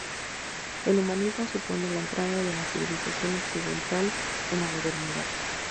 El humanismo supone la entrada de la civilización occidental en la Modernidad.